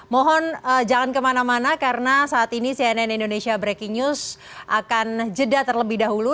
mohon jangan kemana mana karena saat ini cnn indonesia breaking news akan jeda terlebih dahulu